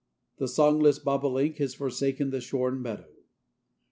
The songless bobolink has forsaken the shorn meadow.